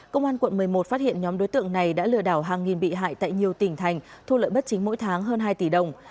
công an quận một mươi một phát hiện nhóm đối tượng này đã lừa đảo hàng nghìn bị hại tại nhiều tỉnh thành thu lợi bất chính mỗi tháng hơn hai tỷ đồng